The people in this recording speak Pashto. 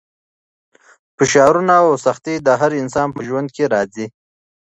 فشارونه او سختۍ د هر انسان په ژوند کې راځي.